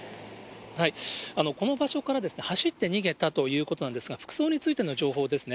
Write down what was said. この場所から走って逃げたということなんですが、服装についての情報ですね。